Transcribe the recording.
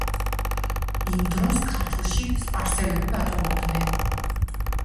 იმ დროს ქართლში სპარსელები ბატონობდნენ.